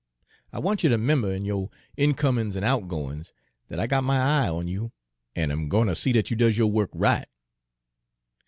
I wants you to 'member, in yo' incomin's an' outgoin's, dat I got my eye on you, an' am gwine ter see dat you does yo' wo'k right."